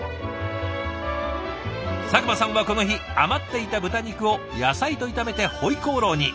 佐久間さんはこの日余っていた豚肉を野菜と炒めてホイコーローに。